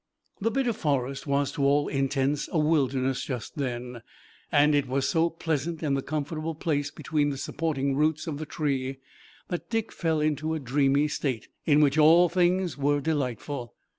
The bit of forest was to all intents a wilderness just then, and it was so pleasant in the comfortable place between the supporting roots of the tree that Dick fell into a dreamy state, in which all things were delightful.